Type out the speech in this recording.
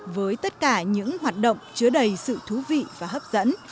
với tất cả những hoạt động chứa đầy sự thú vị và hấp dẫn